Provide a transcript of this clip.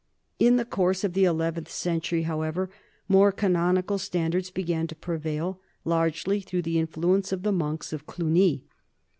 In the course of the eleventh century, however, more canonical stand ards began to prevail, largely through the influence of the monks of Cluny.